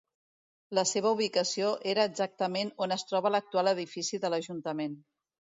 La seva ubicació era exactament on es troba l'actual edifici de l'Ajuntament.